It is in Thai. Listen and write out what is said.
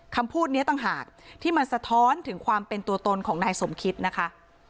คำพูดนี้ต่างหากที่มันสะท้อนถึงความเป็นตัวตนของนายสมคิดนะคะ